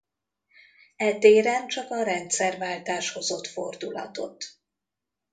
E téren csak a rendszerváltás hozott fordulatot.